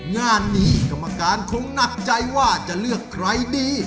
งานนี้กรรมการคงหนักใจว่าจะเลือกใครดี